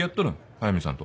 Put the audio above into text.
速見さんと。